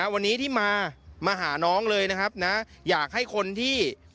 วันนี้ที่มามาหาน้องเลยนะครับนะอยากให้คนที่